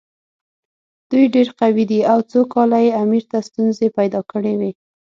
دوی ډېر قوي دي او څو کاله یې امیر ته ستونزې پیدا کړې وې.